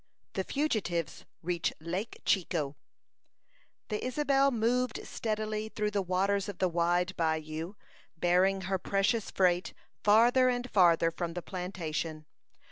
THE FUGITIVES REACH LAKE CHICOT. The Isabel moved steadily through the waters of the wide bayou, bearing her precious freight farther and farther from the plantation.